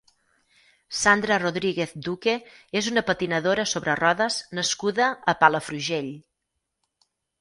Sandra Rodríguez Duque és una patinadora sobre rodes nascuda a Palafrugell.